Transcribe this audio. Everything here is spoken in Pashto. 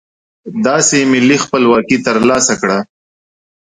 داسې ملي خپلواکي ترلاسه کړه.